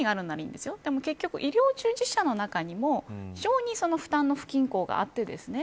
でも結局、医療従事者の中にも非常に負担の不均衡があってですね